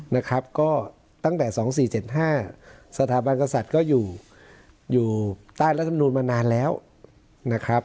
นะครับก็ตั้งแต่๒๔๗๕สถาบันกษัตริย์ก็อยู่อยู่ใต้รัฐมนูลมานานแล้วนะครับ